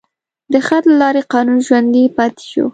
د خط له لارې قانون ژوندی پاتې شو.